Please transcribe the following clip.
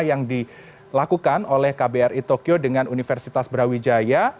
yang dilakukan oleh kbri tokyo dengan universitas brawijaya